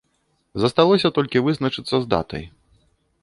Засталося толькі вызначыцца з датай.